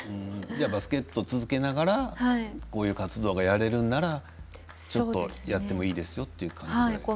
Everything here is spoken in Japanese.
バスケットを続けながらこういう活動がやれるならちょっとやってもいいですよという感じですか？